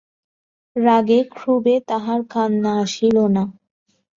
রাগে ক্ষোভে তাহার কান্না আসিল না।